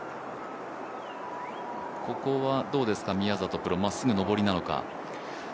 ここはどうですか、まっすぐ上りなのか。